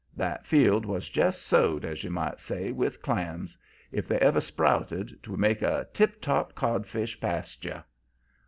That field was just sowed, as you might say, with clams. If they ever sprouted 'twould make a tip top codfish pasture.